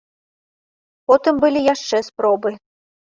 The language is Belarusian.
Потым былі яшчэ спробы.